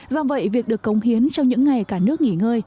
do vậy việc được công hiến trong những ngày cả nước nghỉ ngơi